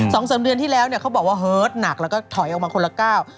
สองสามเดือนที่แล้วเนี่ยเขาบอกว่าเฮิร์ตหนักแล้วก็ถอยออกมาคนละก้าว